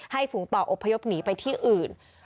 ฝูงต่ออบพยพหนีไปที่อื่น